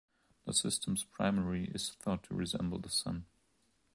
The system's primary is thought to resemble the Sun.